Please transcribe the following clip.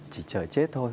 chỉ chờ chết thôi